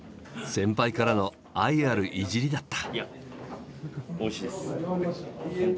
先輩からの愛あるいじりだった。